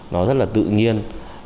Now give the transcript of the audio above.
nó rất là tự nhiên